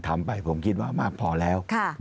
ทำไปผมคิดว่ามากพอแล้ว